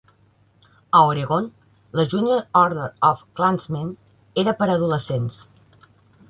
A Oregon, la "Junior Order of Klansmen" era per adolescents.